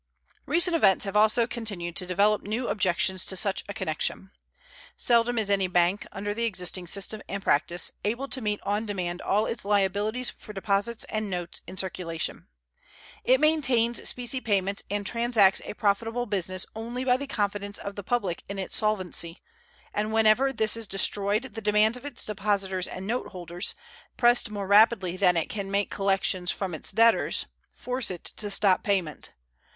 Recent events have also continued to develop new objections to such a connection. Seldom is any bank, under the existing system and practice, able to meet on demand all its liabilities for deposits and notes in circulation. It maintains specie payments and transacts a profitable business only by the confidence of the public in its solvency, and whenever this is destroyed the demands of its depositors and note holders, pressed more rapidly than it can make collections from its debtors, force it to stop payment.